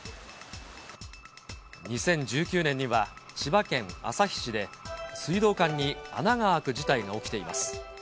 ２０１９年には千葉県旭市で、水道管に穴が開く事態が起きています。